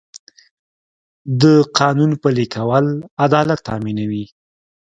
د قانون پلي کول عدالت تامینوي.